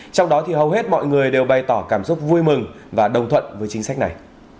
trong đó thì hầu hết mọi người đều bày tỏ cảm xúc vui mừng và đồng thuận với chính sách này